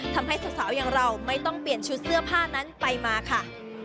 ทำให้สาวอย่างเราไม่ต้องเปลี่ยนชุดเสื้อผ้านั้นไปมาค่ะ